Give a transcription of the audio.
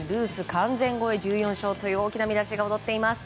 完全超え１４勝という大きな見出しが躍っています。